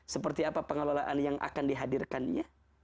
seperti apa pengelolaan yang akan dihadirkannya